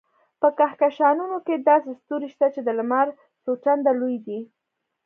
په کهکشانونو کې داسې ستوري شته چې د لمر څو چنده لوی دي.